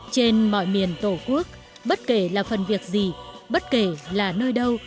trên mọi miền tổ quốc bất kể là phần việc gì bất kể là nơi đâu